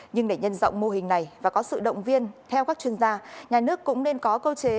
nhưng để nhân rộng mô hình này và có sự động viên theo các chuyên gia nhà nước cũng nên có cơ chế